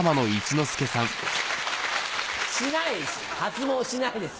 しないし発毛しないです。